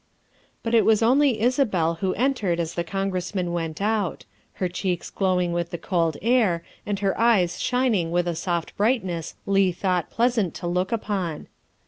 '' But it was only Isabel who entered as the Congress man went out her cheeks glowing with the cold air and her eyes shining with a soft brightness Leigh thought pleasant to look upon.